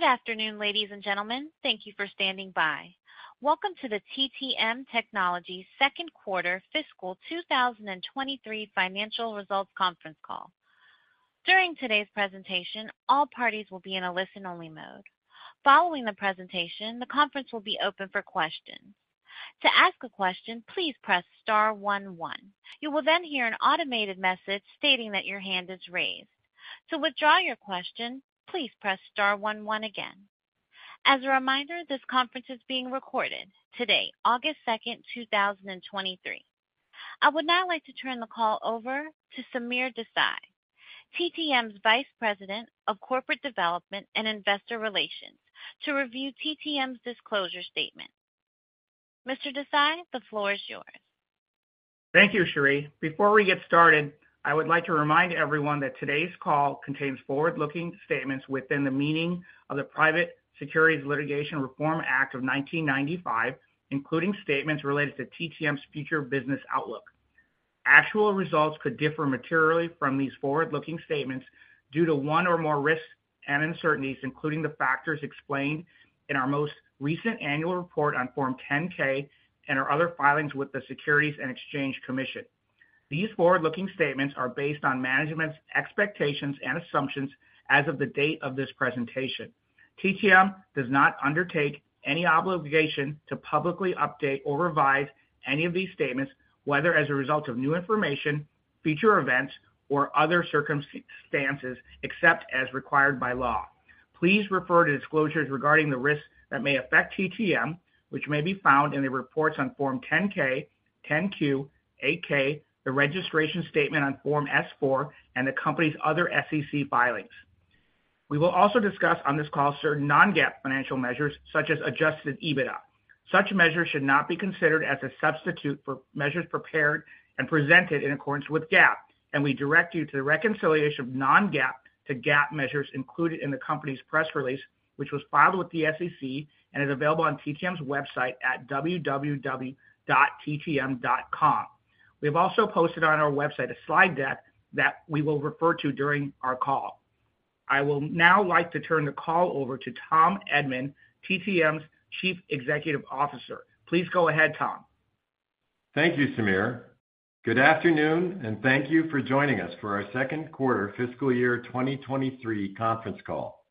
Good afternoon, ladies and gentlemen. Thank you for standing by. Welcome to the TTM Technologies second quarter fiscal 2023 financial results conference call. During today's presentation, all parties will be in a listen-only mode. Following the presentation, the conference will be open for questions. To ask a question, please press star one one. You will then hear an automated message stating that your hand is raised. To withdraw your question, please press star one one again. As a reminder, this conference is being recorded today, August 2, 2023. I would now like to turn the call over to Sameer Desai, TTM's Vice President of Corporate Development and Investor Relations, to review TTM's disclosure statement. Mr. Desai, the floor is yours. Thank you, Cherie. Before we get started, I would like to remind everyone that today's call contains forward-looking statements within the meaning of the Private Securities Litigation Reform Act of 1995, including statements related to TTM's future business outlook. Actual results could differ materially from these forward-looking statements due to one or more risks and uncertainties, including the factors explained in our most recent annual report on Form 10-K and our other filings with the Securities and Exchange Commission. These forward-looking statements are based on management's expectations and assumptions as of the date of this presentation. TTM does not undertake any obligation to publicly update or revise any of these statements, whether as a result of new information, future events, or other circumstances, except as required by law. Please refer to disclosures regarding the risks that may affect TTM, which may be found in the reports on Form 10-K, 10-Q, 8-K, the registration statement on Form S-4, and the company's other SEC filings. We will also discuss on this call certain non-GAAP financial measures, such as adjusted EBITDA. Such measures should not be considered as a substitute for measures prepared and presented in accordance with GAAP, and we direct you to the reconciliation of non-GAAP to GAAP measures included in the company's press release, which was filed with the SEC and is available on TTM's website at www.ttm.com. We have also posted on our website a slide deck that we will refer to during our call. I will now like to turn the call over to Tom Edman, TTM's Chief Executive Officer. Please go ahead, Tom. Thank you, Sameer. Good afternoon, thank you for joining us for our second quarter fiscal year 2023 conference call.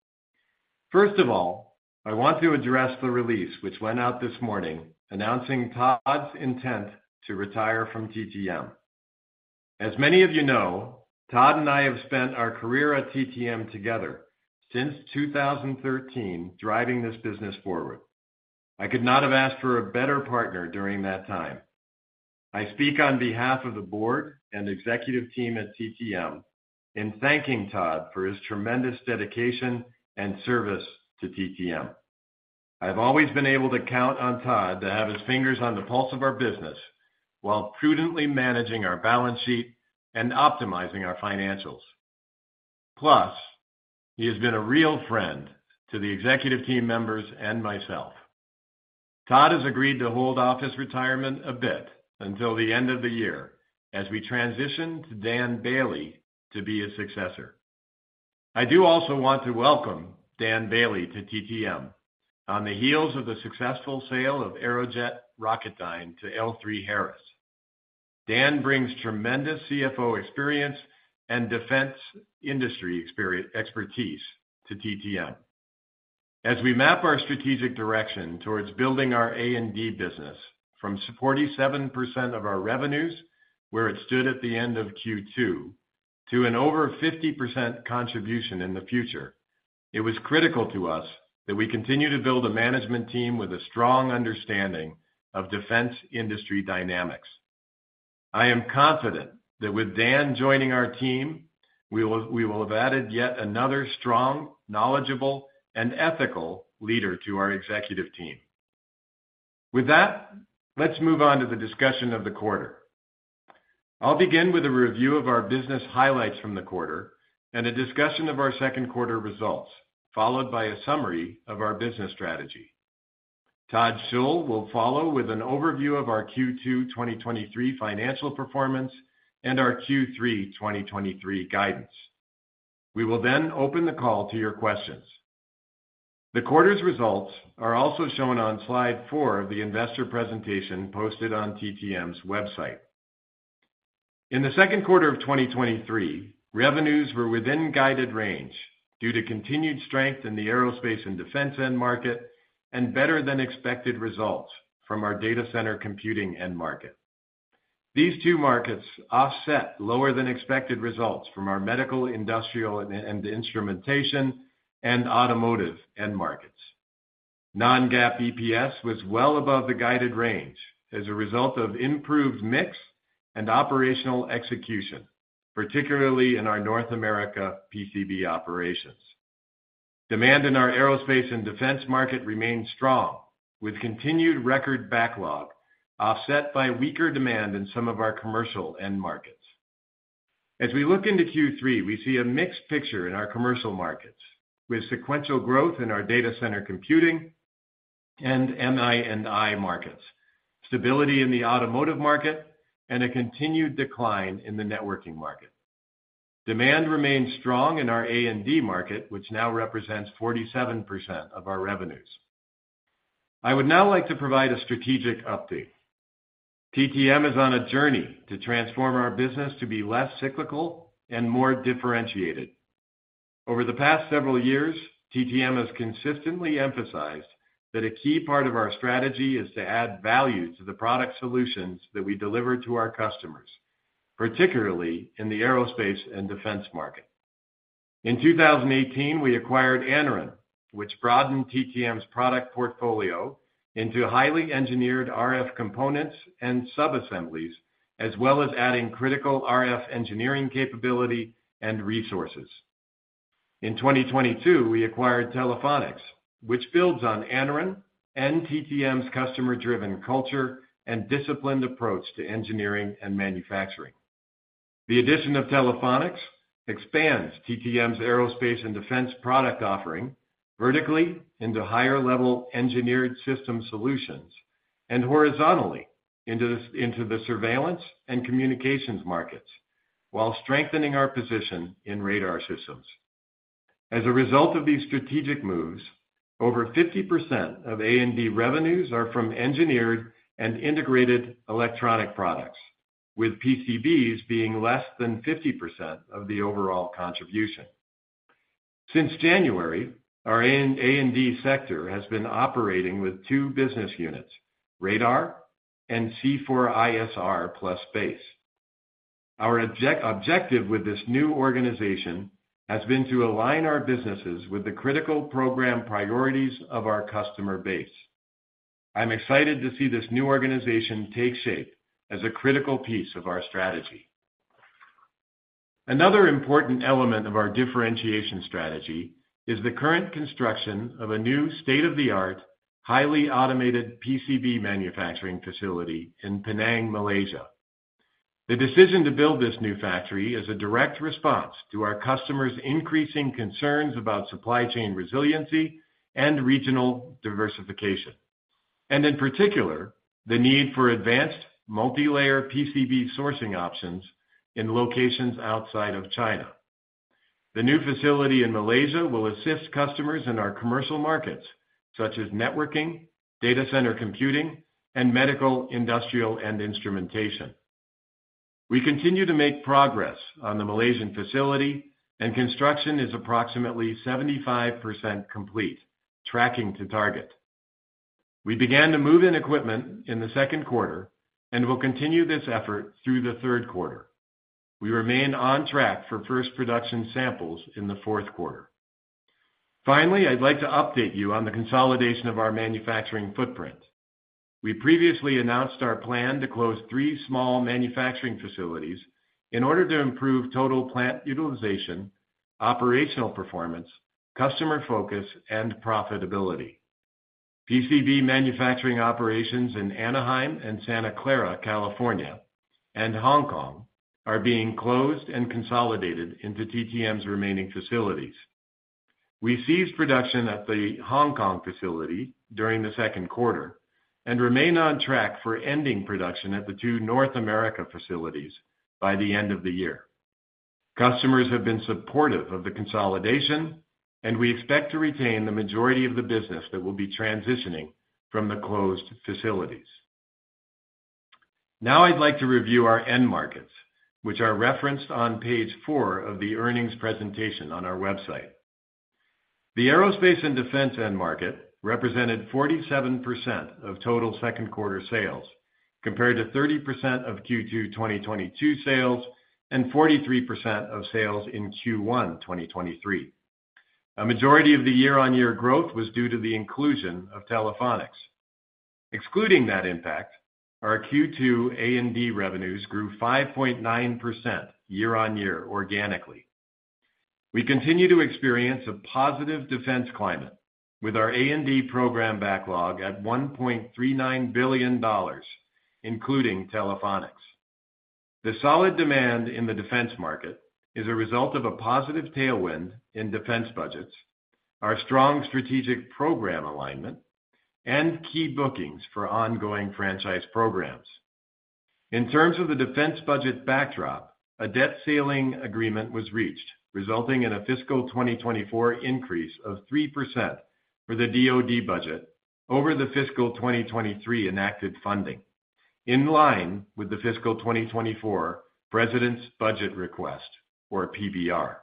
First of all, I want to address the release, which went out this morning, announcing Todd's intent to retire from TTM. As many of you know, Todd and I have spent our career at TTM together since 2013, driving this business forward. I could not have asked for a better partner during that time. I speak on behalf of the board and executive team at TTM in thanking Todd for his tremendous dedication and service to TTM. I've always been able to count on Todd to have his fingers on the pulse of our business, while prudently managing our balance sheet and optimizing our financials. Plus, he has been a real friend to the executive team members and myself. Todd has agreed to hold off his retirement a bit until the end of the year as we transition to Dan Boehle to be his successor. I do also want to welcome Dan Boehle to TTM. On the heels of the successful sale of Aerojet Rocketdyne to L3Harris, Dan brings tremendous CFO experience and defense industry expertise to TTM. As we map our strategic direction towards building our A&D business from 47% of our revenues, where it stood at the end of Q2, to an over 50% contribution in the future, it was critical to us that we continue to build a management team with a strong understanding of defense industry dynamics. I am confident that with Dan joining our team, we will have added yet another strong, knowledgeable, and ethical leader to our executive team. With that, let's move on to the discussion of the quarter. I'll begin with a review of our business highlights from the quarter and a discussion of our second quarter results, followed by a summary of our business strategy. Todd Schull will follow with an overview of our Q2 2023 financial performance and our Q3 2023 guidance. We will open the call to your questions. The quarter's results are also shown on slide 4 of the investor presentation posted on TTM's website. In the second quarter of 2023, revenues were within guided range due to continued strength in the aerospace and defense end market and better-than-expected results from our data center computing end market. These 2 markets offset lower-than-expected results from our medical, industrial, and instrumentation and automotive end markets. Non-GAAP EPS was well above the guided range as a result of improved mix and operational execution, particularly in our North America PCB operations. Demand in our aerospace and defense market remains strong, with continued record backlog offset by weaker demand in some of our commercial end markets. As we look into Q3, we see a mixed picture in our commercial markets, with sequential growth in our data center and MI&I markets, stability in the automotive market, and a continued decline in the networking market. Demand remains strong in our A&D market, which now represents 47% of our revenues. I would now like to provide a strategic update. TTM is on a journey to transform our business to be less cyclical and more differentiated. Over the past several years, TTM has consistently emphasized that a key part of our strategy is to add value to the product solutions that we deliver to our customers, particularly in the aerospace and defense market. In 2018, we acquired Anaren, which broadened TTM's product portfolio into highly engineered RF components and subassemblies, as well as adding critical RF engineering capability and resources. In 2022, we acquired Telephonics, which builds on Anaren and TTM's customer-driven culture and disciplined approach to engineering and manufacturing. The addition of Telephonics expands TTM's aerospace and defense product offering vertically into higher-level engineered system solutions and horizontally into the surveillance and communications markets, while strengthening our position in radar systems. As a result of these strategic moves, over 50% of A&D revenues are from engineered and integrated electronic products, with PCBs being less than 50% of the overall contribution. Since January, our A&D sector has been operating with two business units, Radar and C4ISR plus Space. Our objective with this new organization has been to align our businesses with the critical program priorities of our customer base. I'm excited to see this new organization take shape as a critical piece of our strategy. Another important element of our differentiation strategy is the current construction of a new state-of-the-art, highly automated PCB manufacturing facility in Penang, Malaysia. The decision to build this new factory is a direct response to our customers' increasing concerns about supply chain resiliency and regional diversification, and in particular, the need for advanced multilayer PCB sourcing options in locations outside of China. The new facility in Malaysia will assist customers in our commercial markets, such as networking, data center computing, and medical, industrial, and instrumentation. We continue to make progress on the Malaysian facility, and construction is approximately 75% complete, tracking to target. We began to move in equipment in the second quarter and will continue this effort through the third quarter. We remain on track for first production samples in the fourth quarter. Finally, I'd like to update you on the consolidation of our manufacturing footprint. We previously announced our plan to close three small manufacturing facilities in order to improve total plant utilization, operational performance, customer focus, and profitability. PCB manufacturing operations in Anaheim and Santa Clara, California, and Hong Kong, are being closed and consolidated into TTM's remaining facilities. We ceased production at the Hong Kong facility during the second quarter and remain on track for ending production at the two North America facilities by the end of the year. Customers have been supportive of the consolidation, and we expect to retain the majority of the business that will be transitioning from the closed facilities. Now, I'd like to review our end markets, which are referenced on page four of the earnings presentation on our website. The aerospace and defense end market represented 47% of total second quarter sales, compared to 30% of Q2 2022 sales and 43% of sales in Q1 2023. A majority of the year-on-year growth was due to the inclusion of Telephonics. Excluding that impact, our Q2 A&D revenues grew 5.9% year-on-year organically. We continue to experience a positive defense climate with our A&D program backlog at $1.39 billion, including Telephonics. The solid demand in the defense market is a result of a positive tailwind in defense budgets, our strong strategic program alignment, and key bookings for ongoing franchise programs. In terms of the defense budget backdrop, a debt ceiling agreement was reached, resulting in a fiscal 2024 increase of 3% for the DoD budget over the fiscal 2023 enacted funding, in line with the fiscal 2024 President's Budget Request or PBR.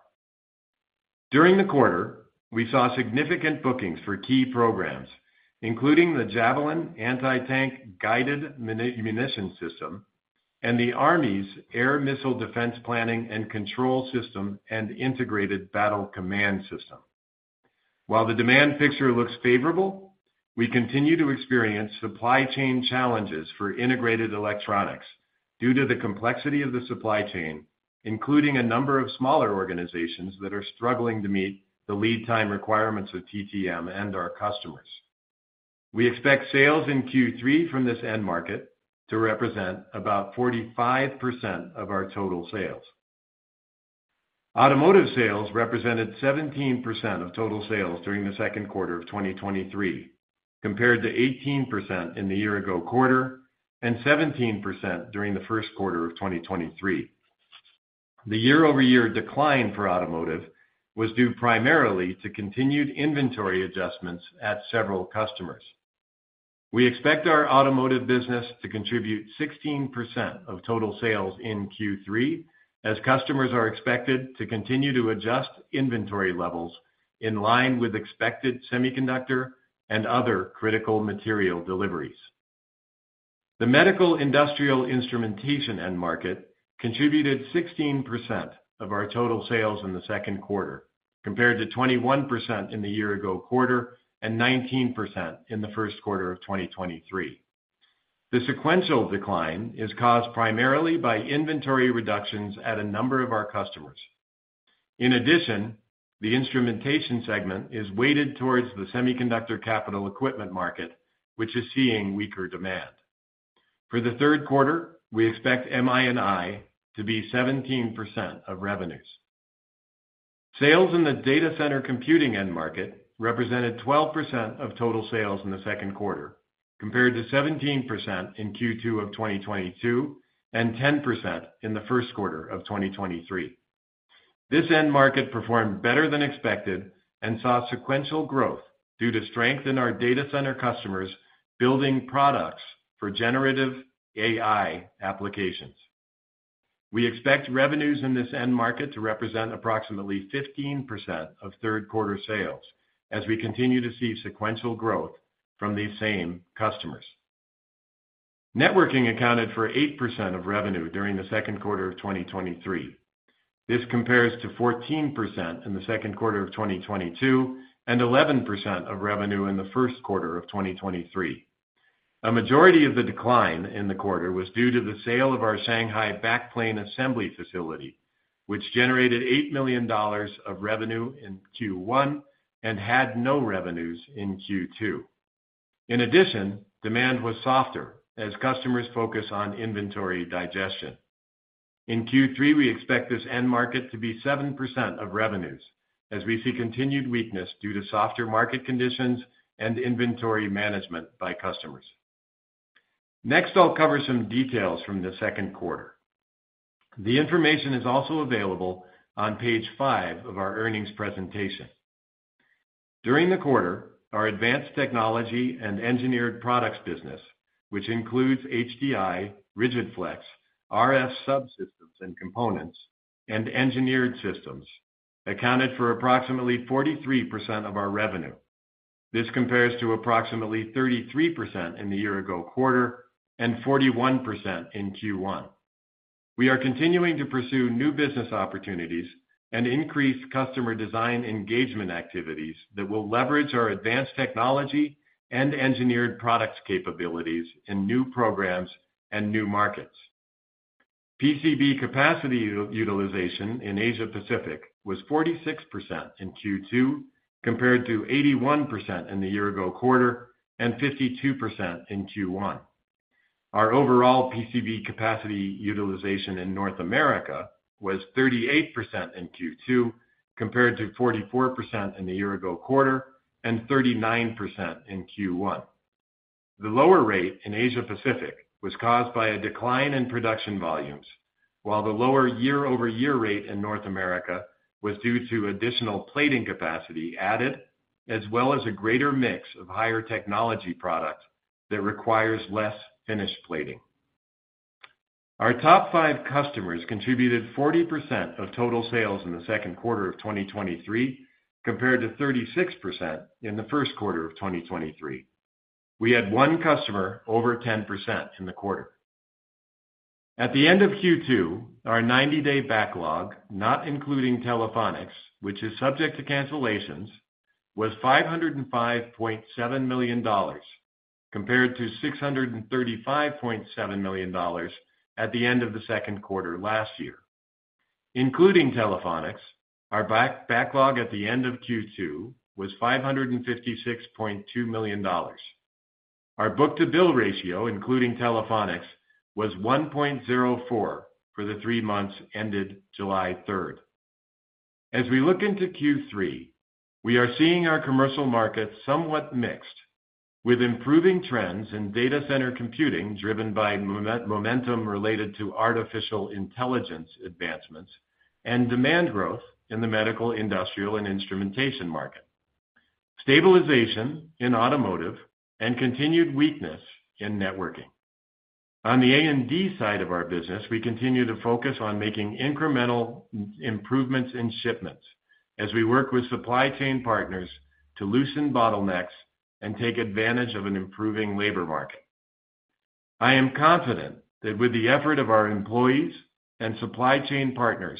During the quarter, we saw significant bookings for key programs, including the Javelin Anti-Tank Guided Munition System and the Army's Air Missile Defense Planning and Control System and Integrated Battle Command System. While the demand picture looks favorable, we continue to experience supply chain challenges for integrated electronics due to the complexity of the supply chain, including a number of smaller organizations that are struggling to meet the lead time requirements of TTM and our customers. We expect sales in Q3 from this end market to represent about 45% of our total sales. Automotive sales represented 17% of total sales during the second quarter of 2023, compared to 18% in the year-ago quarter and 17% during the first quarter of 2023. The year-over-year decline for automotive was due primarily to continued inventory adjustments at several customers. We expect our automotive business to contribute 16% of total sales in Q3, as customers are expected to continue to adjust inventory levels in line with expected semiconductor and other critical material deliveries. The medical industrial instrumentation end market contributed 16% of our total sales in the second quarter, compared to 21% in the year ago quarter and 19% in the first quarter of 2023. The sequential decline is caused primarily by inventory reductions at a number of our customers. In addition, the instrumentation segment is weighted towards the semiconductor capital equipment market, which is seeing weaker demand. For the third quarter, we expect MI&I to be 17% of revenues. Sales in the data center computing end market represented 12% of total sales in the second quarter, compared to 17% in Q2 of 2022, and 10% in the first quarter of 2023. This end market performed better than expected and saw sequential growth due to strength in our data center customers building products for generative AI applications. We expect revenues in this end market to represent approximately 15% of third quarter sales, as we continue to see sequential growth from these same customers. Networking accounted for 8% of revenue during the second quarter of 2023. This compares to 14% in the second quarter of 2022, and 11% of revenue in the first quarter of 2023. A majority of the decline in the quarter was due to the sale of our Shanghai backplane assembly facility, which generated $8 million of revenue in Q1 and had no revenues in Q2. Demand was softer as customers focus on inventory digestion. In Q3, we expect this end market to be 7% of revenues, as we see continued weakness due to softer market conditions and inventory management by customers. I'll cover some details from the second quarter. The information is also available on page 5 of our earnings presentation. During the quarter, our advanced technology and engineered products business, which includes HDI, rigid-flex, RF subsystems and components, and engineered systems, accounted for approximately 43% of our revenue. This compares to approximately 33% in the year-ago quarter and 41% in Q1. We are continuing to pursue new business opportunities and increase customer design engagement activities that will leverage our advanced technology and engineered products capabilities in new programs and new markets. PCB capacity utilization in Asia Pacific was 46% in Q2, compared to 81% in the year-ago quarter and 52% in Q1. Our overall PCB capacity utilization in North America was 38% in Q2, compared to 44% in the year-ago quarter, and 39% in Q1. The lower rate in Asia Pacific was caused by a decline in production volumes, while the lower year-over-year rate in North America was due to additional plating capacity added, as well as a greater mix of higher technology products that requires less finished plating. Our top five customers contributed 40% of total sales in the second quarter of 2023, compared to 36% in the first quarter of 2023. We had one customer over 10% in the quarter. At the end of Q2, our 90-day backlog, not including Telephonics, which is subject to cancellations, was $505.7 million, compared to $635.7 million at the end of the second quarter last year. Including Telephonics, our backlog at the end of Q2 was $556.2 million. Our book-to-bill ratio, including Telephonics, was 1.04 for the 3 months ended July 3rd. As we look into Q3, we are seeing our commercial markets somewhat mixed, with improving trends in data center computing, driven by momentum related to artificial intelligence advancements and demand growth in the Medical, Industrial, and Instrumentation market. Stabilization in automotive and continued weakness in networking. On the A&D side of our business, we continue to focus on making incremental improvements in shipments as we work with supply chain partners to loosen bottlenecks and take advantage of an improving labor market. I am confident that with the effort of our employees and supply chain partners,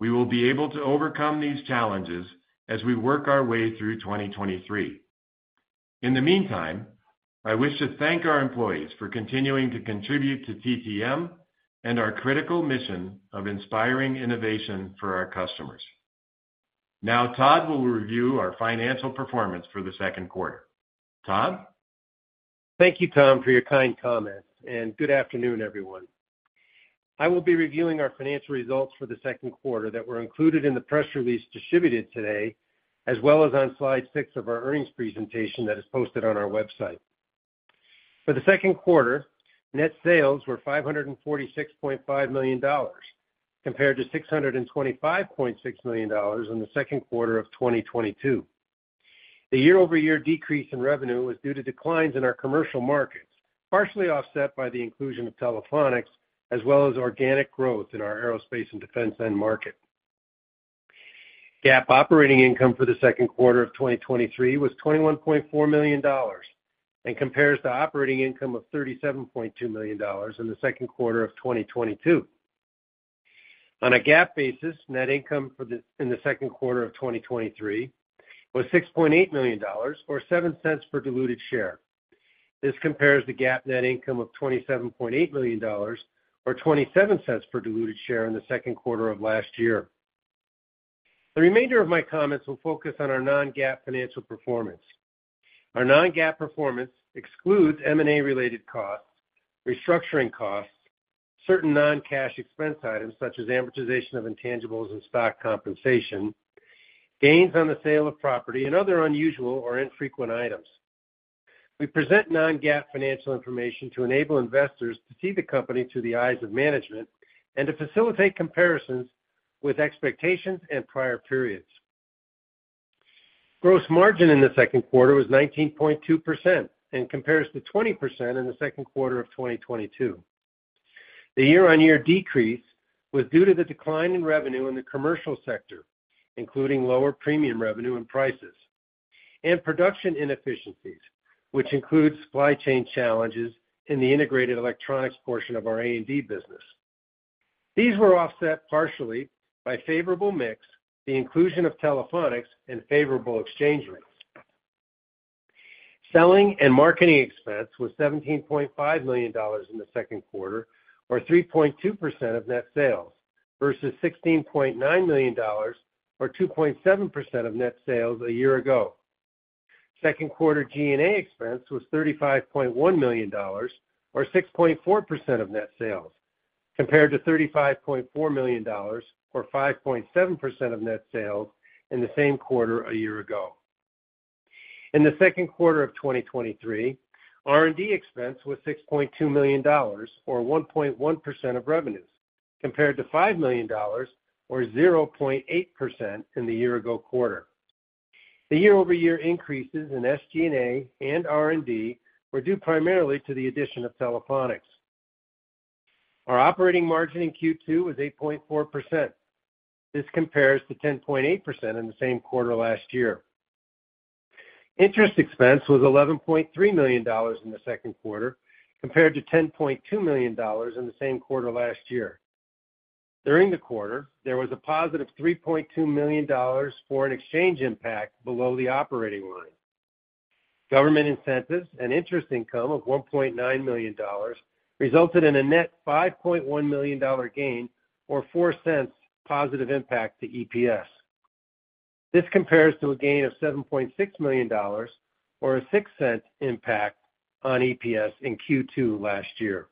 we will be able to overcome these challenges as we work our way through 2023. In the meantime, I wish to thank our employees for continuing to contribute to TTM and our critical mission of inspiring innovation for our customers. Now Todd will review our financial performance for the second quarter. Todd? Thank you, Tom, for your kind comments, and good afternoon, everyone. I will be reviewing our financial results for the second quarter that were included in the press release distributed today, as well as on slide 6 of our earnings presentation that is posted on our website. For the second quarter, net sales were $546.5 million, compared to $625.6 million in the second quarter of 2022. The year-over-year decrease in revenue was due to declines in our commercial markets, partially offset by the inclusion of Telephonics, as well as organic growth in our aerospace and defense end market. GAAP operating income for the second quarter of 2023 was $21.4 million and compares to operating income of $37.2 million in the second quarter of 2022. On a GAAP basis, net income in the second quarter of 2023 was $6.8 million, or $0.07 per diluted share. This compares to GAAP net income of $27.8 million, or $0.27 per diluted share in the second quarter of last year. The remainder of my comments will focus on our non-GAAP financial performance. Our non-GAAP performance excludes M&A-related costs, restructuring costs, certain non-cash expense items such as amortization of intangibles and stock compensation, gains on the sale of property, and other unusual or infrequent items. We present non-GAAP financial information to enable investors to see the company through the eyes of management and to facilitate comparisons with expectations and prior periods. Gross margin in the second quarter was 19.2% and compares to 20% in the second quarter of 2022. The year-on-year decrease was due to the decline in revenue in the commercial sector, including lower premium revenue and prices, and production inefficiencies, which include supply chain challenges in the integrated electronics portion of our A&D business. These were offset partially by favorable mix, the inclusion of Telephonics, and favorable exchange rates. Selling and marketing expense was $17.5 million in the second quarter, or 3.2% of net sales, versus $16.9 million, or 2.7% of net sales a year ago. Second quarter G&A expense was $35.1 million, or 6.4% of net sales, compared to $35.4 million, or 5.7% of net sales, in the same quarter a year ago. In the second quarter of 2023, R&D expense was $6.2 million, or 1.1% of revenues, compared to $5 million, or 0.8% in the year-ago quarter. The year-over-year increases in SG&A and R&D were due primarily to the addition of Telephonics. Our operating margin in Q2 was 8.4%. This compares to 10.8% in the same quarter last year. Interest expense was $11.3 million in the second quarter, compared to $10.2 million in the same quarter last year. During the quarter, there was a positive $3.2 million foreign exchange impact below the operating line. Government incentives and interest income of $1.9 million resulted in a net $5.1 million gain, or $0.04 positive impact to EPS. This compares to a gain of $7.6 million or a $0.06 impact on EPS in Q2 last year.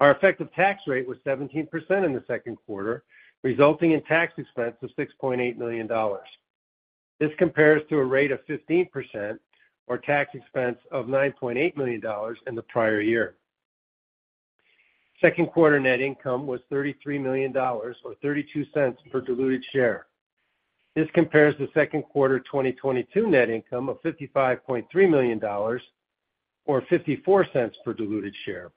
Our effective tax rate was 17% in the second quarter, resulting in tax expense of $6.8 million. This compares to a rate of 15%, or tax expense of $9.8 million in the prior year. Second quarter net income was $33 million, or $0.32 per diluted share. This compares to second quarter 2022 net income of $55.3 million or $0.54 per diluted share.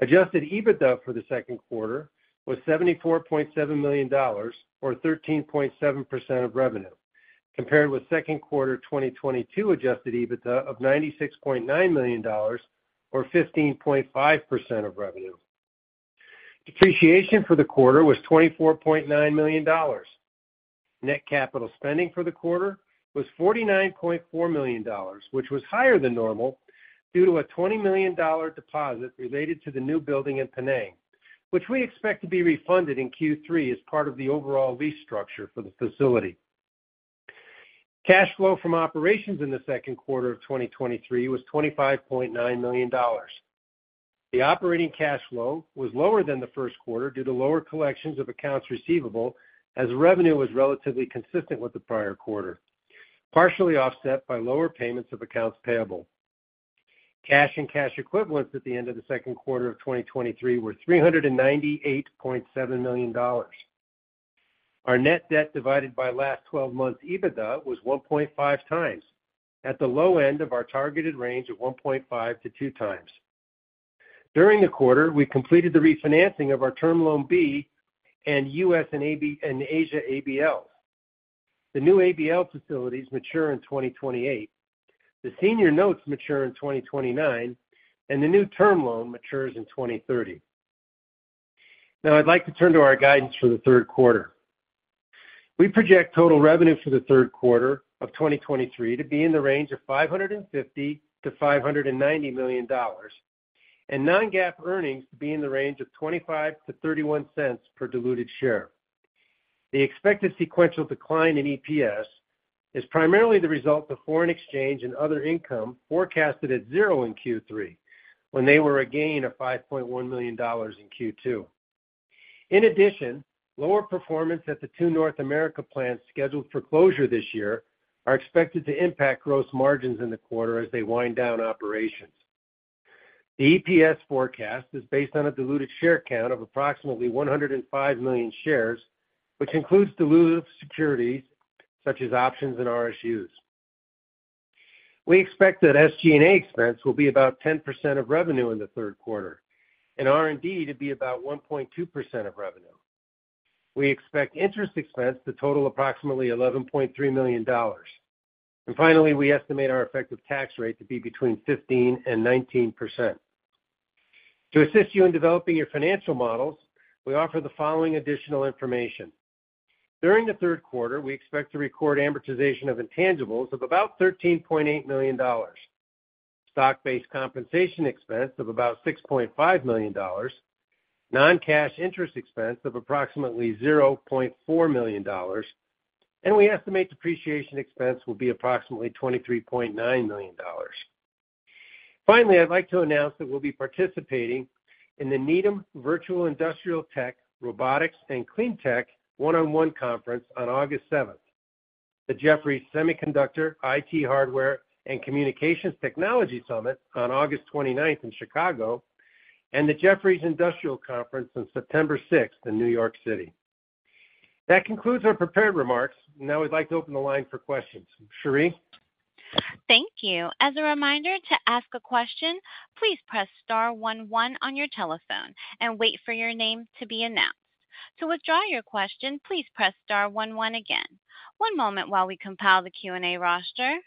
Adjusted EBITDA for the second quarter was $74.7 million or 13.7% of revenue, compared with second quarter 2022 adjusted EBITDA of $96.9 million or 15.5% of revenue. Depreciation for the quarter was $24.9 million. Net capital spending for the quarter was $49.4 million, which was higher than normal due to a $20 million deposit related to the new building in Penang, which we expect to be refunded in Q3 as part of the overall lease structure for the facility. Cash flow from operations in the second quarter of 2023 was $25.9 million. The operating cash flow was lower than the first quarter due to lower collections of accounts receivable, as revenue was relatively consistent with the prior quarter, partially offset by lower payments of accounts payable. Cash and cash equivalents at the end of the second quarter of 2023 were $398.7 million. Our net debt divided by last 12 months EBITDA was 1.5 times, at the low end of our targeted range of 1.5-2 times. During the quarter, we completed the refinancing of our Term Loan B and U.S. and Asia ABL. The new ABL facilities mature in 2028, the senior notes mature in 2029, and the new term loan matures in 2030. I'd like to turn to our guidance for the third quarter. We project total revenue for the third quarter of 2023 to be in the range of $550 million-$590 million. Non-GAAP earnings to be in the range of $0.25-$0.31 per diluted share. The expected sequential decline in EPS is primarily the result of foreign exchange and other income forecasted at 0 in Q3, when they were a gain of $5.1 million in Q2. In addition, lower performance at the two North America plants scheduled for closure this year are expected to impact gross margins in the quarter as they wind down operations. The EPS forecast is based on a diluted share count of approximately 105 million shares, which includes dilutive securities such as options and RSUs. We expect that SG&A expense will be about 10% of revenue in the third quarter and R&D to be about 1.2% of revenue. We expect interest expense to total approximately $11.3 million. Finally, we estimate our effective tax rate to be between 15% and 19%. To assist you in developing your financial models, we offer the following additional information: During the third quarter, we expect to record amortization of intangibles of about $13.8 million, stock-based compensation expense of about $6.5 million, non-cash interest expense of approximately $0.4 million, and we estimate depreciation expense will be approximately $23.9 million. Finally, I'd like to announce that we'll be participating in the Needham Virtual Industrial Tech, Robotics, and Clean Tech one-on-one conference on August 7th, the Jefferies Semiconductor, IT Hardware, and Communications Technology Summit on August 29th in Chicago, and the Jefferies Industrial Conference on September 6th in New York City. That concludes our prepared remarks. Now I'd like to open the line for questions. Cherie? Thank you. As a reminder to ask a question, please press star one one on your telephone and wait for your name to be announced. To withdraw your question, please press star one one again. One moment while we compile the Q&A roster.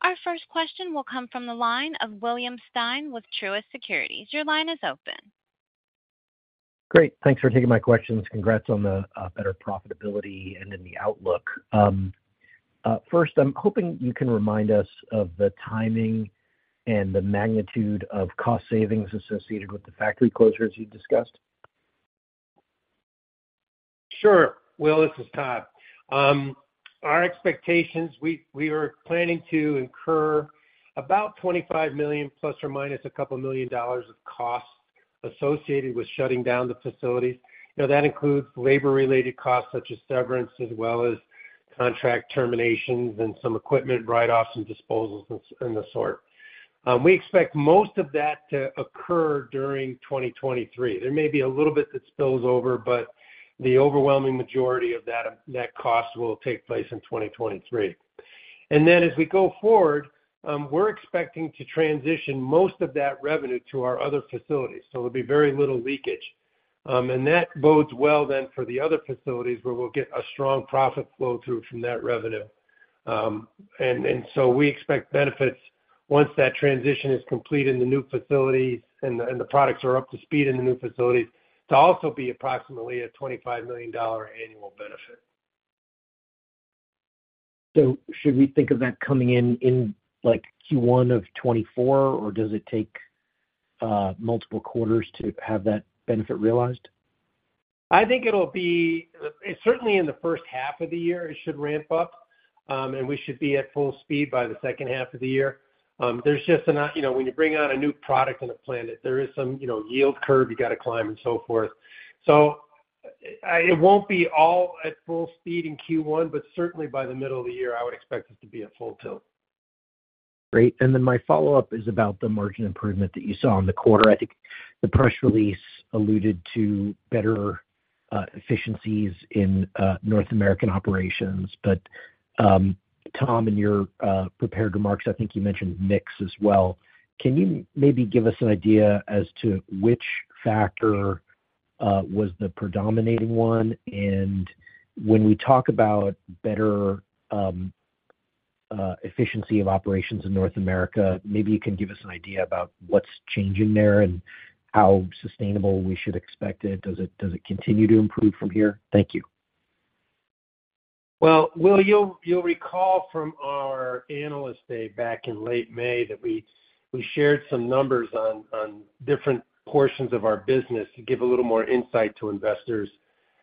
Our first question will come from the line of William Stein with Truist Securities. Your line is open. Great. Thanks for taking my questions. Congrats on the better profitability and in the outlook. First, I'm hoping you can remind us of the timing and the magnitude of cost savings associated with the factory closures you discussed. Sure. Will, this is Todd. Our expectations, we, we are planning to incur about $25 million ± a couple million dollars of costs associated with shutting down the facilities. Now, that includes labor-related costs, such as severance, as well as contract terminations and some equipment write-offs and disposals and the sort. We expect most of that to occur during 2023. There may be a little bit that spills over, but the overwhelming majority of that, net cost will take place in 2023. As we go forward, we're expecting to transition most of that revenue to our other facilities, so there'll be very little leakage. That bodes well then for the other facilities, where we'll get a strong profit flow through from that revenue. We expect benefits once that transition is complete in the new facilities and the, and the products are up to speed in the new facilities, to also be approximately a $25 million annual benefit. Should we think of that coming in, in, like, Q1 of 2024, or does it take, multiple quarters to have that benefit realized? I think it'll be, certainly in the first half of the year, it should ramp up. We should be at full speed by the second half of the year. There's just enough you know, when you bring on a new product on a planet, there is some, you know, yield curve you got to climb and so forth. I it won't be all at full speed in Q1, but certainly by the middle of the year, I would expect it to be at full tilt. Then my follow-up is about the margin improvement that you saw in the quarter. I think the press release alluded to better efficiencies in North American operations. Tom, in your prepared remarks, I think you mentioned mix as well. Can you maybe give us an idea as to which factor was the predominating one? When we talk about better efficiency of operations in North America, maybe you can give us an idea about what's changing there and how sustainable we should expect it. Does it, does it continue to improve from here? Thank you. Well, Will, you'll, you'll recall from our Analyst Day back in late May, that we, we shared some numbers on, on different portions of our business to give a little more insight to investors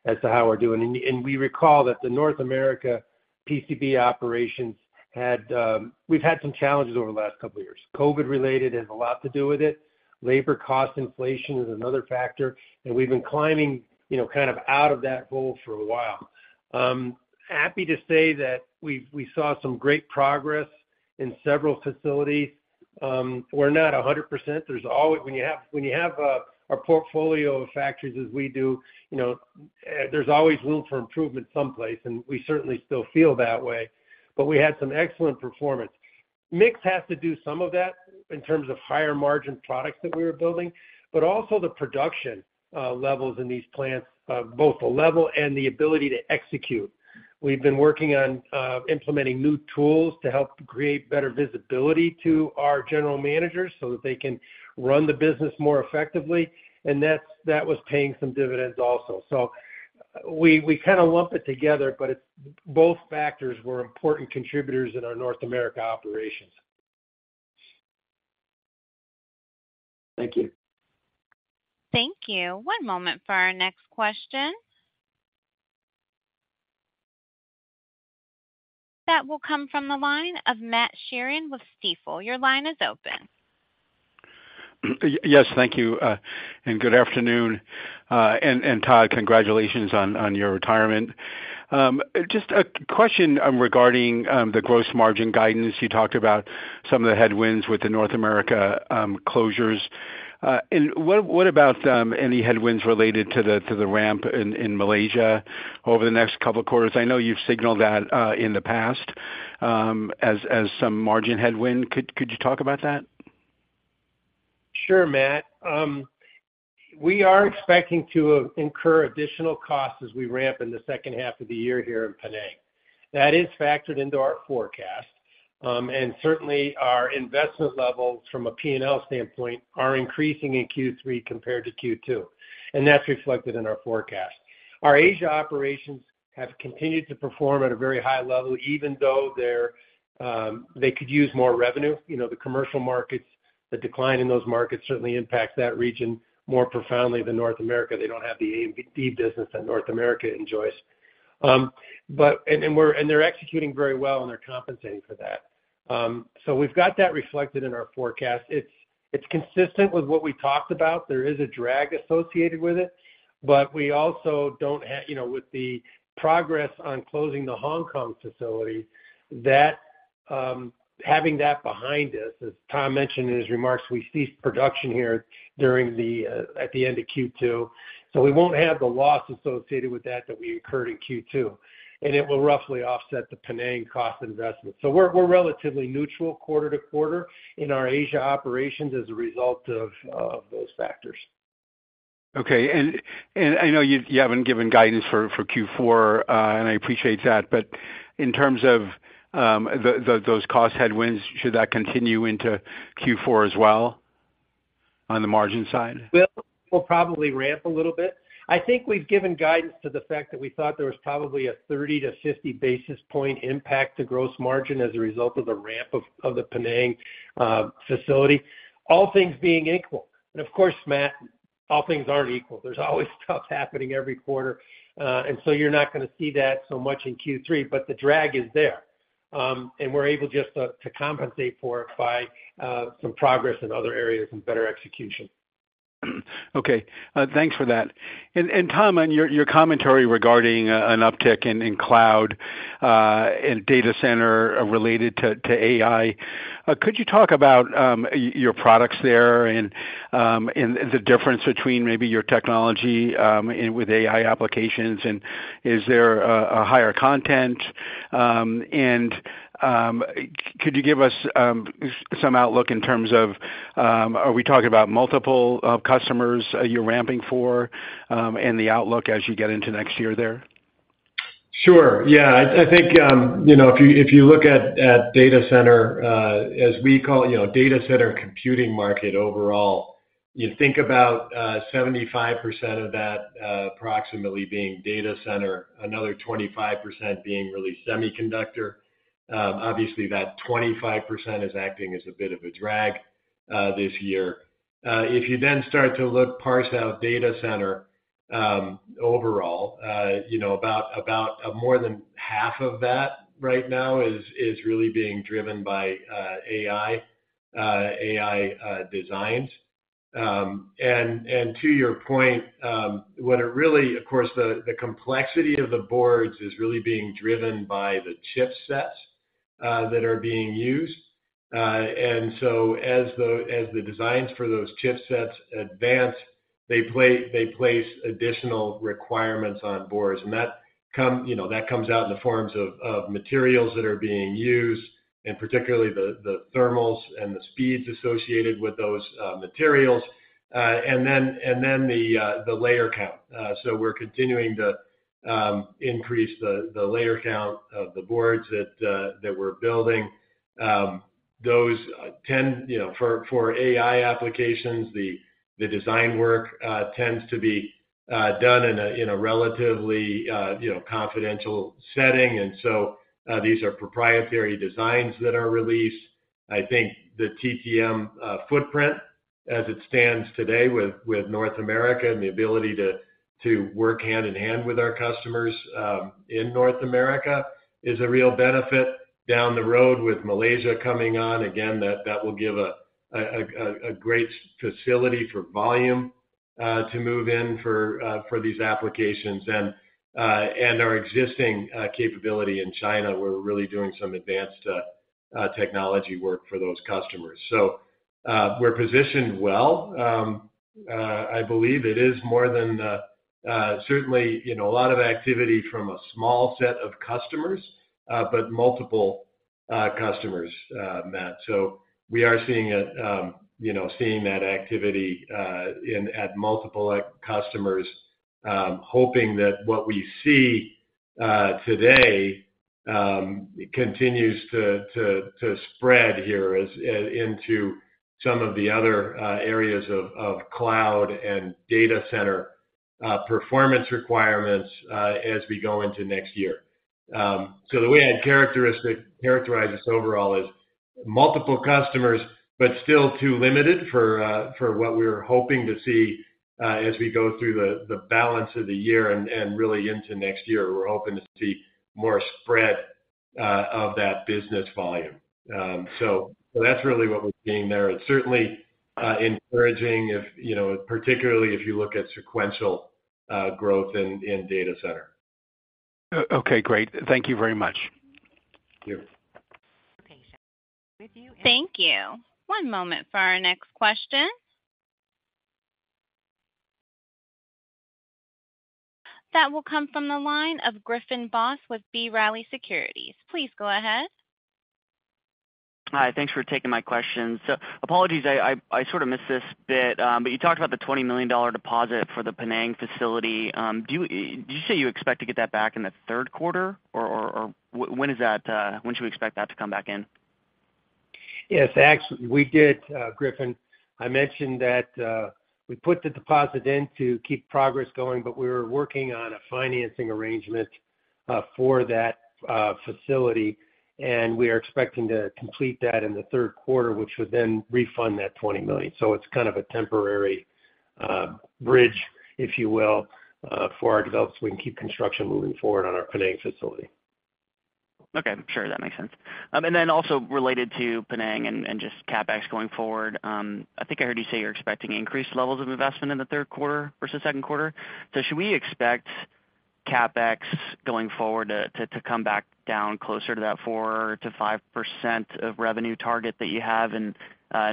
as to how we're doing. We recall that the North America PCB operations had... We've had some challenges over the last couple of years. COVID-related has a lot to do with it. Labor cost inflation is another factor, and we've been climbing, you know, kind of out of that hole for a while. Happy to say that we've, we saw some great progress in several facilities. We're not 100%. There's always, when you have, when you have a portfolio of factories as we do, you know, there's always room for improvement someplace, and we certainly still feel that way, but we had some excellent performance. Mix has to do some of that in terms of higher margin products that we were building, but also the production, levels in these plants, both the level and the ability to execute. We've been working on, implementing new tools to help create better visibility to our general managers so that they can run the business more effectively, and that's, that was paying some dividends also. We, we kind of lump it together, but it's, both factors were important contributors in our North America operations. Thank you. Thank you. One moment for our next question. That will come from the line of Matt Sheerin with Stifel. Your line is open. Yes, thank you, and good afternoon. Todd, congratulations on your retirement. Just a question regarding the gross margin guidance. You talked about some of the headwinds with the North America closures. What about any headwinds related to the ramp in Malaysia over the next 2 quarters? I know you've signaled that in the past as some margin headwind. Could you talk about that? Sure, Matt. We are expecting to incur additional costs as we ramp in the second half of the year here in Penang. That is factored into our forecast. And certainly, our investment levels from a P&L standpoint are increasing in Q3 compared to Q2, and that's reflected in our forecast. Our Asia operations have continued to perform at a very high level, even though they're, they could use more revenue. You know, the commercial markets, the decline in those markets certainly impacts that region more profoundly than North America. They don't have the AMD business that North America enjoys. They're executing very well, and they're compensating for that. We've got that reflected in our forecast. It's, it's consistent with what we talked about. There is a drag associated with it, but we also don't You know, with the progress on closing the Hong Kong facility, that, having that behind us, as Tom mentioned in his remarks, we ceased production here during the, at the end of Q2, so we won't have the loss associated with that that we incurred in Q2, and it will roughly offset the Penang cost investment. We're, we're relatively neutral quarter to quarter in our Asia operations as a result of, those factors. Okay. I know you, you haven't given guidance for, for Q4, and I appreciate that, but in terms of the, the, those cost headwinds, should that continue into Q4 as well on the margin side? Well, we'll probably ramp a little bit. I think we've given guidance to the fact that we thought there was probably a 30 to 50 basis point impact to gross margin as a result of the ramp of, of the Penang facility, all things being equal. Of course, Matt, all things aren't equal. There's always stuff happening every quarter, so you're not gonna see that so much in Q3, but the drag is there. We're able just to, to compensate for it by some progress in other areas and better execution. Okay, thanks for that. And, Tom, on your, your commentary regarding an uptick in cloud and data center related to AI, could you talk about your products there and, and, and the difference between maybe your technology and with AI applications, and is there a higher content? Could you give us some outlook in terms of, are we talking about multiple customers you're ramping for, and the outlook as you get into next year there? Sure. Yeah, I, I think, you know, if you, if you look at, at data center, as we call, you know, data center computing market overall, you think about, 75% of that, approximately being data center, another 25% being really semiconductor. Obviously, that 25% is acting as a bit of a drag, this year. If you start to look, parse out data center, overall, you know, about, about, more than half of that right now is, is really being driven by, AI, AI, designs. To your point, of course, the, the complexity of the boards is really being driven by the chipsets, that are being used. So as the, as the designs for those chipsets advance, they place additional requirements on boards, and that come, you know, that comes out in the forms of, of materials that are being used, and particularly the, the thermals and the speeds associated with those materials, and then, and then the layer count. We're continuing to increase the, the layer count of the boards that we're building. Those tend, you know, for, for AI applications, the design work tends to be done in a, in a relatively, you know, confidential setting, and so, these are proprietary designs that are released. I think the TTM footprint as it stands today with, with North America and the ability to, to work hand-in-hand with our customers in North America, is a real benefit down the road with Malaysia coming on. That, that will give a great facility for volume to move in for these applications. Our existing capability in China, we're really doing some advanced technology work for those customers. We're positioned well. I believe it is more than certainly, you know, a lot of activity from a small set of customers, but multiple customers, Matt. We are seeing it, you know, seeing that activity in-- at multiple customers, hoping that what we see today continues to, to, to spread here as into some of the other areas of, of cloud and data center performance requirements as we go into next year. The way I'd characteristic- characterize this overall is, multiple customers, but still too limited for what we're hoping to see as we go through the, the balance of the year and, and really into next year. We're hoping to see more spread of that business volume. That's really what we're seeing there. It's certainly encouraging, if, you know, particularly if you look at sequential growth in, in data center. Okay, great. Thank you very much. Sure. Thank you. One moment for our next question. That will come from the line of Griffin Boss with B. Riley Securities. Please go ahead. Hi, thanks for taking my questions. Apologies, I, I, I sort of missed this bit, but you talked about the $20 million deposit for the Penang facility. Did you say you expect to get that back in the third quarter, or, or, or when is that, when should we expect that to come back in? Yes, actually, we did, Griffin. I mentioned that, we put the deposit in to keep progress going. We were working on a financing arrangement for that facility. We are expecting to complete that in the third quarter, which would then refund that $20 million. It's kind of a temporary bridge, if you will, for our developers, so we can keep construction moving forward on our Penang facility. Okay, sure. That makes sense. Then also related to Penang and, and just CapEx going forward, I think I heard you say you're expecting increased levels of investment in the third quarter versus second quarter. Should we expect CapEx going forward to, to, to come back down closer to that 4%-5% of revenue target that you have in,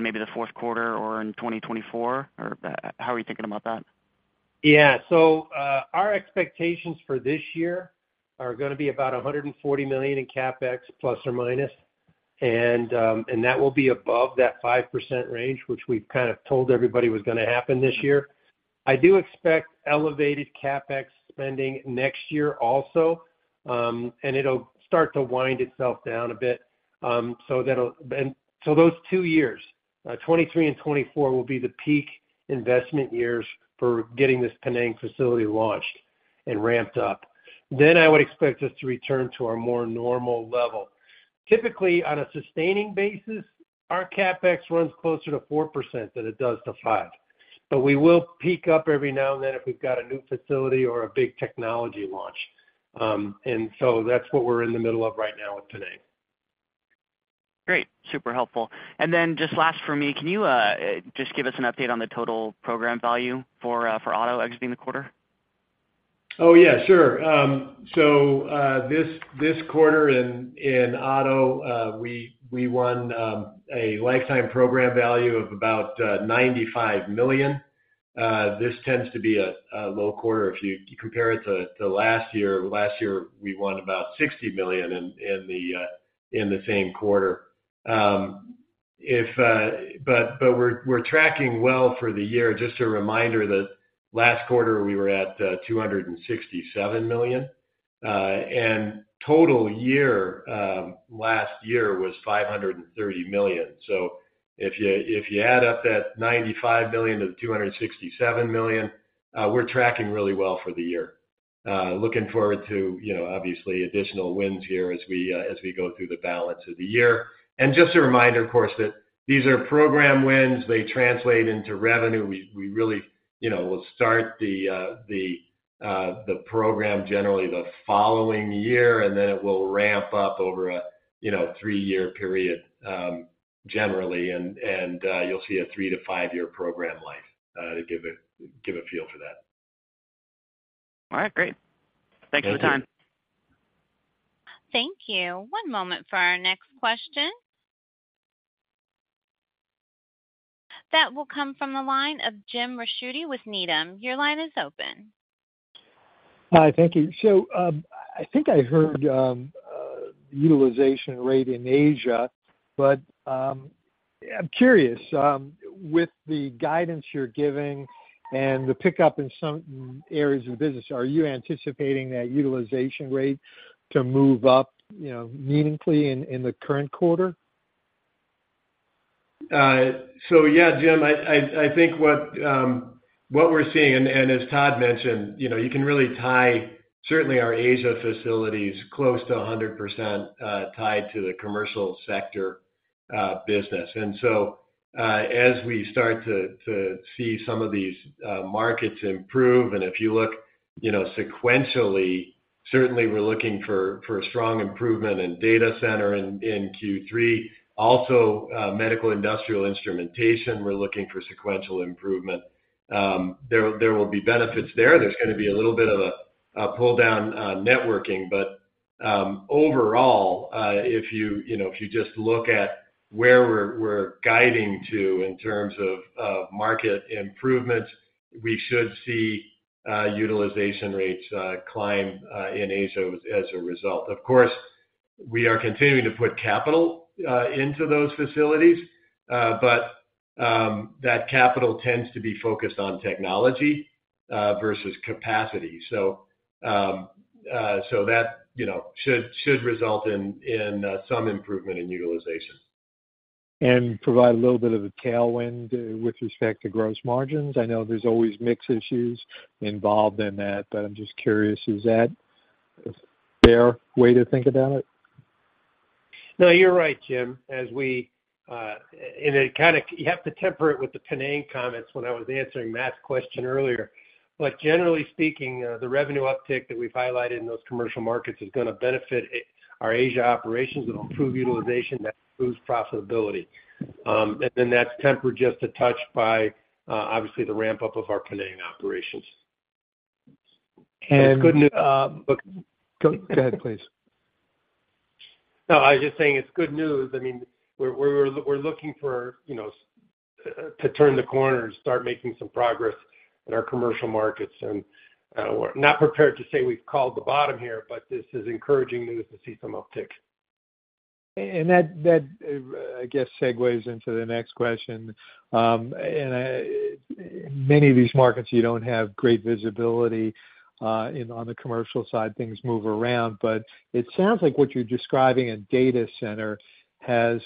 maybe the fourth quarter or in 2024? How are you thinking about that? Yeah. Our expectations for this year are gonna be about $140 million in CapEx ±. That will be above that 5% range, which we've kind of told everybody was gonna happen this year. I do expect elevated CapEx spending next year also, and it'll start to wind itself down a bit. Those two years, 2023 and 2024, will be the peak investment years for getting this Penang facility launched and ramped up. I would expect us to return to our more normal level. Typically, on a sustaining basis, our CapEx runs closer to 4% than it does to 5, but we will peak up every now and then if we've got a new facility or a big technology launch. That's what we're in the middle of right now with Penang. Great. Super helpful. Just last for me, can you just give us an update on the total program value for auto exiting the quarter? Oh, yeah, sure. This, this quarter in, in auto, we, we won a lifetime program value of about $95 million. This tends to be a, a low quarter if you compare it to, to last year. Last year, we won about $60 million in, in the same quarter. But we're tracking well for the year. Just a reminder that last quarter, we were at $267 million, and total year last year was $530 million. If you, if you add up that $95 million to the $267 million, we're tracking really well for the year. Looking forward to, you know, obviously additional wins here as we, as we go through the balance of the year. Just a reminder, of course, that these are program wins. They translate into revenue. We, we really, you know, we'll start the program generally the following year, and then it will ramp up over a, you know, 3-year period, generally, and you'll see a 3-5 year program life to give a feel for that. All right, great. Thank you. Thanks for the time. Thank you. One moment for our next question. That will come from the line of James Ricchiuti with Needham. Your line is open. Hi, thank you. I think I heard utilization rate in Asia, but I'm curious, with the guidance you're giving and the pickup in some areas of the business, are you anticipating that utilization rate to move up, you know, meaningfully in the current quarter? Yeah, Jim, I, I, I think what we're seeing, and as Todd mentioned, you know, you can really tie certainly our Asia facilities close to 100% tied to the commercial sector business. As we start to see some of these markets improve, and if you look, you know, sequentially, certainly we're looking for a strong improvement in data center in Q3. Also, medical industrial instrumentation, we're looking for sequential improvement. There, there will be benefits there. There's gonna be a little bit of a pull down, networking. Overall, if you, you know, if you just look at where we're guiding to in terms of market improvements, we should see utilization rates climb in Asia as a result. Of course, we are continuing to put capital, into those facilities, but that capital tends to be focused on technology, versus capacity. That, you know, should, should result in, in, some improvement in utilization. Provide a little bit of a tailwind with respect to gross margins? I know there's always mix issues involved in that. I'm just curious, is that a fair way to think about it? No, you're right, Jim. As we, you have to temper it with the Penang comments when I was answering Matt's question earlier. Generally speaking, the revenue uptick that we've highlighted in those commercial markets is gonna benefit our Asia operations. It'll improve utilization, that improves profitability. Then that's tempered just a touch by, obviously, the ramp-up of our Penang operations. And, uh- It's good. Go, go ahead, please. No, I was just saying it's good news. I mean, we're, we're, we're looking for, you know, to turn the corner and start making some progress in our commercial markets. We're not prepared to say we've called the bottom here, but this is encouraging news to see some uptick. And that, that, I guess, segues into the next question. Many of these markets, you don't have great visibility in on the commercial side, things move around. It sounds like what you're describing in data center has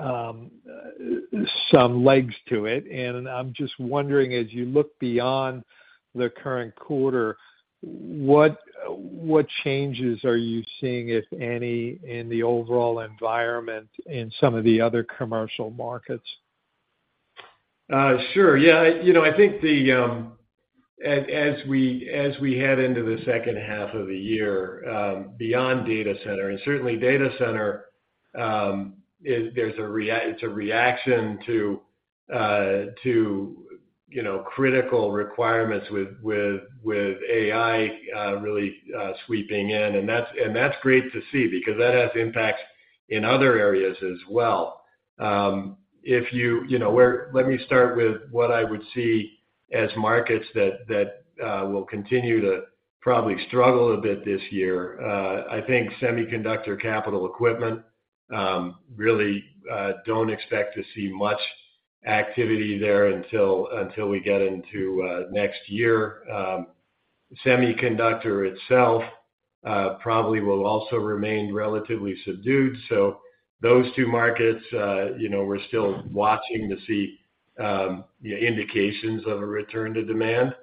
some legs to it, and I'm just wondering, as you look beyond the current quarter, what, what changes are you seeing, if any, in the overall environment in some of the other commercial markets? ow, I think the as we as we head into the second half of the year, beyond data center, and certainly data center is there's a reaction to, you know, critical requirements with AI really sweeping in. And that's and that's great to see because that has impacts in other areas as well. If you, you know, let me start with what I would see as markets that will continue to probably struggle a bit this year. I think semiconductor capital equipment really don't expect to see much activity there until until we get into next year. Semiconductor itself probably will also remain relatively subdued. Those two markets, you know, we're still watching to see indications of a return to demand.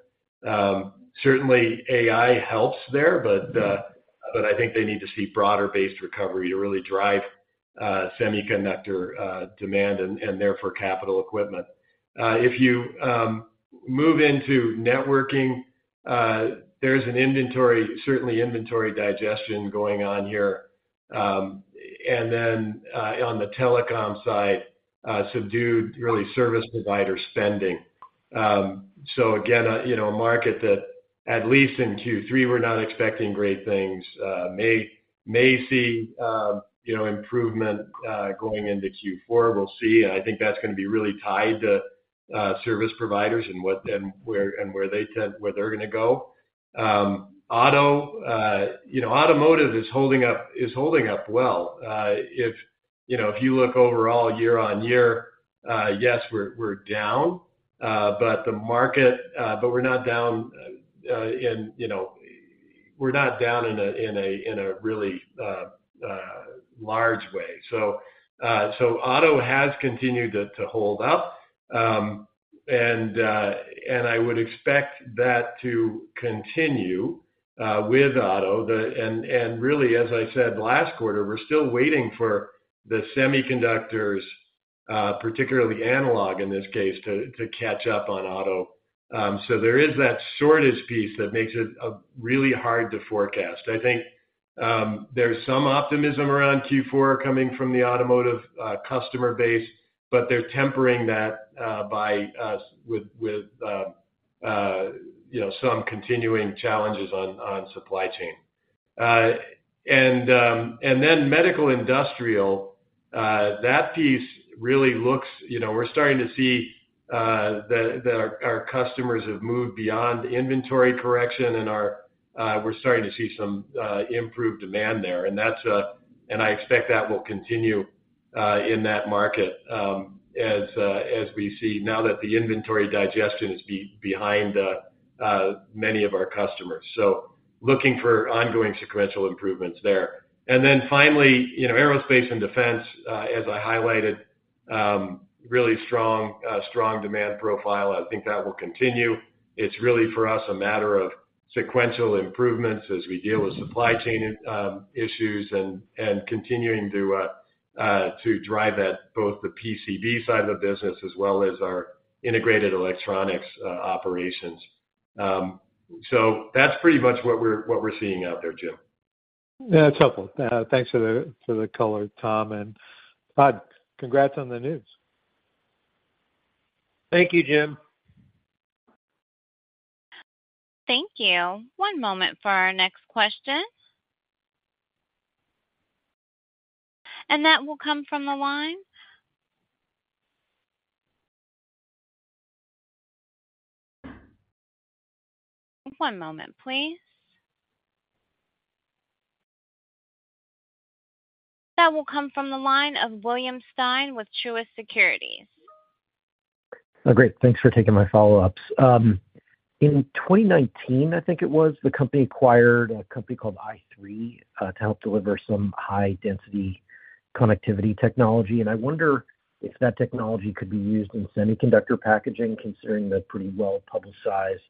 Certainly, AI helps there, but I think they need to see broader-based recovery to really drive semiconductor demand and therefore, capital equipment. If you move into networking, there's an inventory, certainly inventory digestion going on here. And then, on the telecom side, subdued, really, service provider spending. Again, a, you know, a market that at least in Q3, we're not expecting great things, may, may see, you know, improvement going into Q4. We'll see, and I think that's gonna be really tied to service providers and what and where, where they're gonna go. Auto, you know, automotive is holding up, is holding up well. If, you know, if you look overall year-over-year, yes, we're down, but the market, but we're not down in, you know. We're not down in a really large way. Auto has continued to hold up, and I would expect that to continue with auto. Really, as I said last quarter, we're still waiting for the semiconductors, particularly analog in this case, to catch up on auto. There is that shortage piece that makes it really hard to forecast. I think, there's some optimism around Q4 coming from the automotive customer base, but they're tempering that by, with, you know, some continuing challenges on supply chain. Medical industrial, that piece really, you know, we're starting to see that our customers have moved beyond inventory correction, we're starting to see some improved demand there. That's, and I expect that will continue in that market as we see now that the inventory digestion is behind the many of our customers. Looking for ongoing sequential improvements there. Finally, you know, aerospace and defense, as I highlighted, really strong, strong demand profile. I think that will continue. It's really, for us, a matter of sequential improvements as we deal with supply chain issues and continuing to drive at both the PCB side of the business as well as our integrated electronics operations. That's pretty much what we're, what we're seeing out there, Jim. Yeah, it's helpful. Thanks for the, for the color, Tom, and, congrats on the news. Thank you, Jim. Thank you. One moment for our next question. That will come from the line... One moment, please. That will come from the line of William Stein with Truist Securities. Oh, great. Thanks for taking my follow-ups. In 2019, I think it was, the company acquired a company called i3 to help deliver some high-density connectivity technology. I wonder if that technology could be used in semiconductor packaging, considering the pretty well-publicized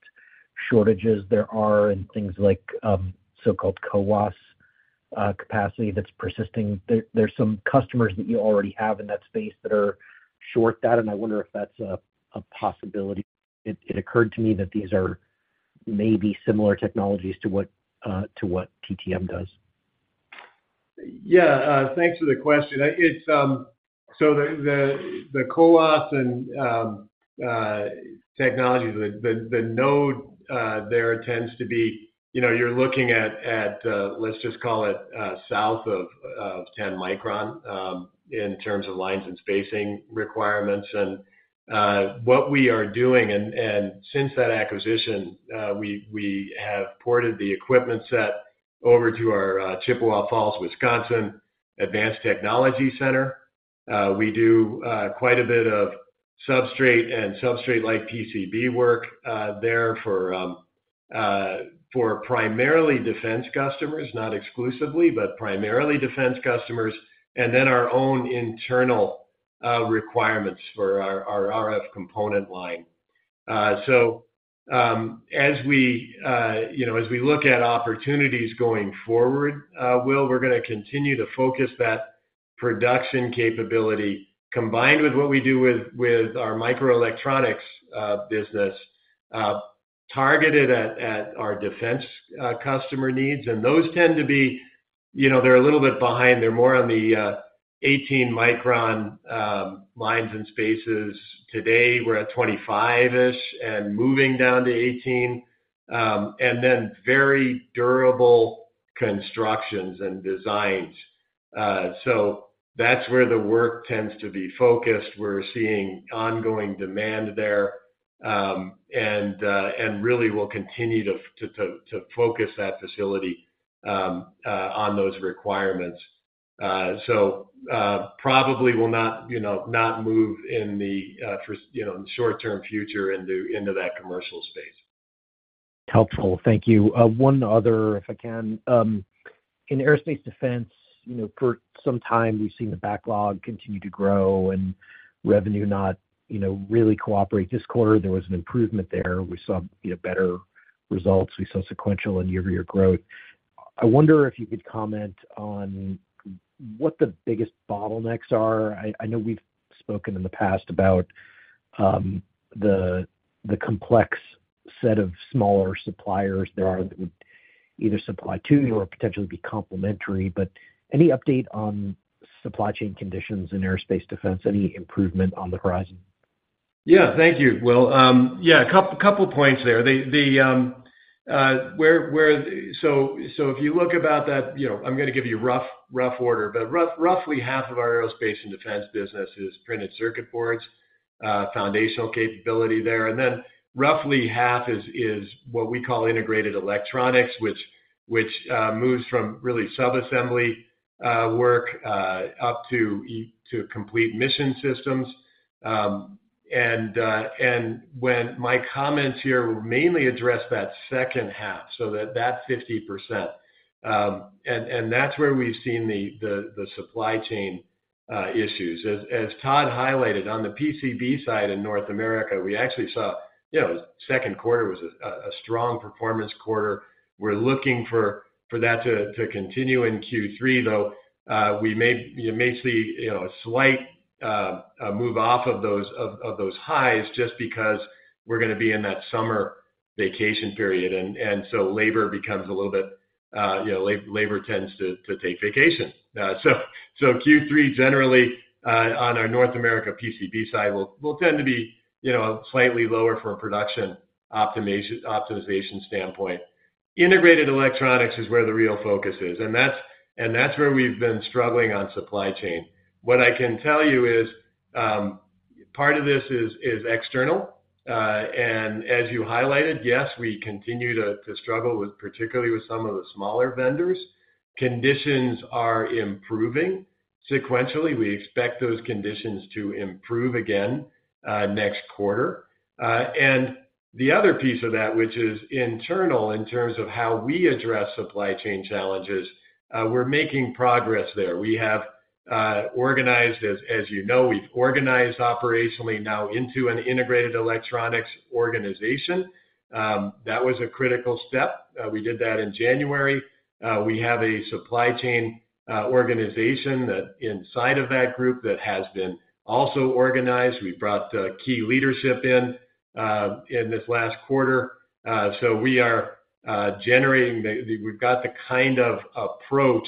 shortages there are in things like so-called CoWoS capacity that's persisting. There, there's some customers that you already have in that space that are short that, and I wonder if that's a, a possibility. It, it occurred to me that these are maybe similar technologies to what to what TTM does. Yeah, thanks for the question. It's, so the, the, the CoWoS and technologies, the, the node, there tends to be, you know, you're looking at, at, let's just call it, south of, of 10 micron, in terms of lines and spacing requirements. And what we are doing, and, and since that acquisition, we, we have ported the equipment set over to our Chippewa Falls, Wisconsin, Advanced Technology Center. We do quite a bit of substrate and substrate-like PCB work there for primarily defense customers. Not exclusively, but primarily defense customers, and then our own internal requirements for our RF component line. So, as we, you know, as we look at opportunities going forward, Will, we're gonna continue to focus that production capability, combined with what we do with, with our microelectronics business, targeted at, at our defense customer needs. Those tend to be, you know, they're a little bit behind. They're more on the 18-micron lines and spaces. Today, we're at 25-ish and moving down to 18. Very durable constructions and designs. That's where the work tends to be focused. We're seeing ongoing demand there, and really will continue to f-- to, to, to focus that facility on those requirements. Probably will not, you know, not move in the, for, you know, short-term future into, into that commercial space. Helpful. Thank you. One other, if I can. In Aerospace & Defense, you know, for some time, we've seen the backlog continue to grow and revenue not, you know, really cooperate. This quarter, there was an improvement there. We saw, you know, better results. We saw sequential and year-over-year growth. I wonder if you could comment on what the biggest bottlenecks are. I know we've spoken in the past about, the complex set of smaller suppliers there- Right -that would either supply to you or potentially be complementary, but any update on supply chain conditions in Aerospace & Defense? Any improvement on the horizon? Yeah. Thank you, Will. Yeah, a couple points there. The, the, where, if you look about that, you know, I'm gonna give you rough, rough order, but roughly half of our aerospace and defense business is printed circuit boards, foundational capability there. Roughly half is, is what we call integrated electronics, which, which moves from really sub-assembly work up to to complete mission systems. When my comments here will mainly address that second half, so that, that 50%. That's where we've seen the, the, the supply chain issues. As, as Todd highlighted, on the PCB side in North America, we actually saw, you know, second quarter was a strong performance quarter. We're looking for, for that to, to continue in Q3, though. We may, you may see, you know, a slight move off of those highs just because we're gonna be in that summer vacation period. Labor becomes a little bit, you know, labor tends to take vacations. Q3, generally, on our North America PCB side, will tend to be, you know, slightly lower from a production optimization standpoint. Integrated electronics is where the real focus is, and that's where we've been struggling on supply chain. What I can tell you is, part of this is external. As you highlighted, yes, we continue to struggle with, particularly with some of the smaller vendors. Conditions are improving sequentially. We expect those conditions to improve again next quarter. The other piece of that, which is internal in terms of how we address supply chain challenges, we're making progress there. We have organized, as you know, we've organized operationally now into an integrated electronics organization. That was a critical step. We did that in January. We have a supply chain organization that inside of that group that has been also organized. We brought key leadership in in this last quarter. We are generating We've got the kind of approach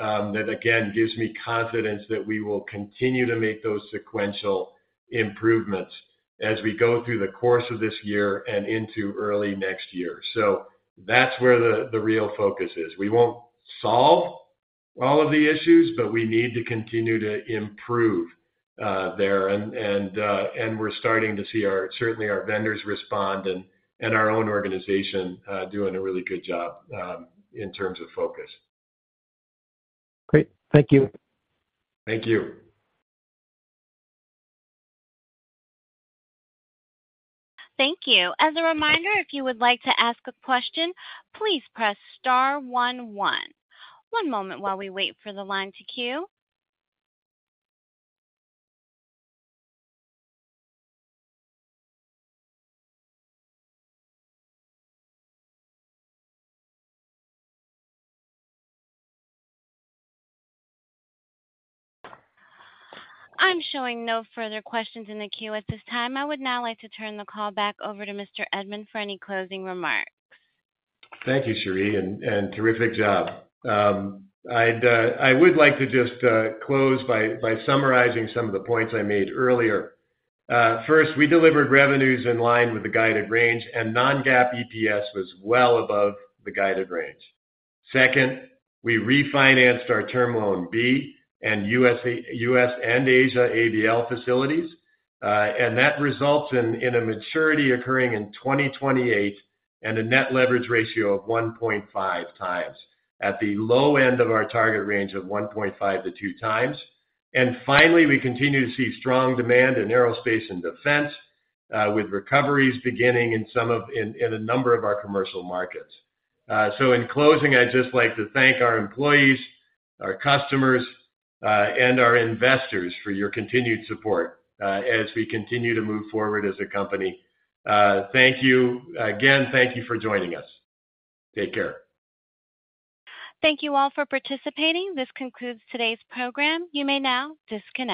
that, again, gives me confidence that we will continue to make those sequential improvements as we go through the course of this year and into early next year. That's where the real focus is. We won't solve all of the issues, but we need to continue to improve there. We're starting to see our—certainly our vendors respond, and, and our own organization, doing a really good job, in terms of focus. Great. Thank you. Thank you. Thank you. As a reminder, if you would like to ask a question, please press star one one. One moment while we wait for the line to queue. I'm showing no further questions in the queue at this time. I would now like to turn the call back over to Mr. Edman for any closing remarks. Thank you, Cherie, and terrific job. I'd, I would like to just close by summarizing some of the points I made earlier. First, we delivered revenues in line with the guided range, non-GAAP EPS was well above the guided range. Second, we refinanced our Term Loan B and US and Asia ABL facilities, that results in a maturity occurring in 2028 and a net leverage ratio of 1.5x, at the low end of our target range of 1.5x-2x. Finally, we continue to see strong demand in aerospace and defense, with recoveries beginning in a number of our commercial markets. In closing, I'd just like to thank our employees, our customers, and our investors for your continued support, as we continue to move forward as a company. Thank you. Again, thank you for joining us. Take care. Thank you all for participating. This concludes today's program. You may now disconnect.